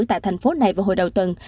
tại thành phố này vào hồi đầu tuần